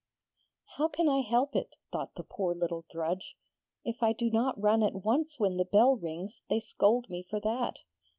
'How can I help it?' thought the poor little drudge. 'If I do not run at once when the bell rings, they scold me for that.